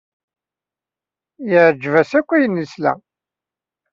Yeɛjeb-as akk wayen yesla.